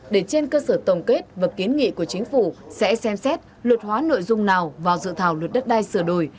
để trên cơ sở tổng kết và kiến nghị của chính phủ sẽ xem xét luật hóa nội dung nào vào dự thảo luật đất đai sửa đổi